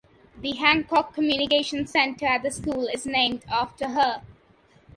The Hancock Communication Centre at the school is named after her.